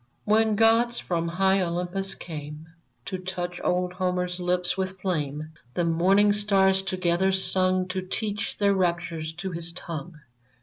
When gods from high Olympus came To touch old Homer's lips with flame, The morning stars together sung To teach their raptures to his tongue.